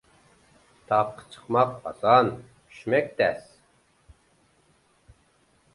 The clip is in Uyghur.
تاغقا چىقماق ئاسان، چۈشمەك تەس.